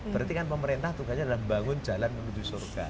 berarti kan pemerintah tugasnya adalah membangun jalan menuju surga